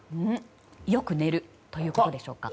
よく寝るということでしょうか。